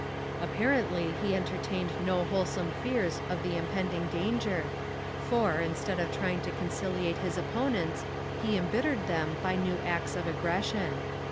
Apparently he entertained no wholesome fears of the impending danger, for, instead of trying to conciliate his opponents, he embittered them by new acts of aggression.